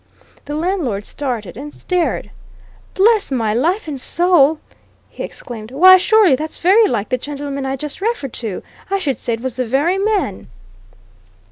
The landlord started and stared. "Bless my life and soul!" he exclaimed. "Why, surely that's very like the gentleman I just referred to I should say it was the very man!"